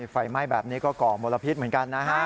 ไฟไหม้แบบนี้ก็ก่อมลพิษเหมือนกันนะฮะ